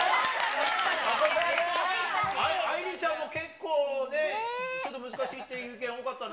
あいりちゃんも結構ね、ちょっと難しいっていう意見多かったな。